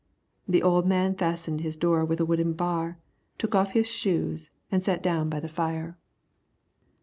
The old man fastened his door with a wooden bar, took off his shoes, and sat down by the fire.